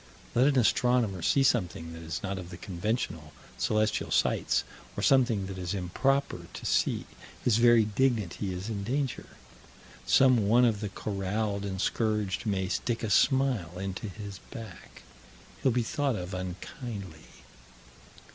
Let an astronomer see something that is not of the conventional, celestial sights, or something that it is "improper" to see his very dignity is in danger. Some one of the corralled and scourged may stick a smile into his back. He'll be thought of unkindly.